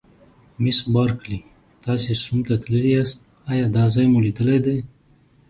مس بارکلي: تاسي سوم ته تللي یاست، ایا دا ځای مو لیدلی دی؟